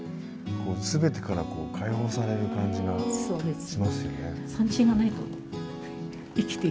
全てからこう解放される感じがしますよね。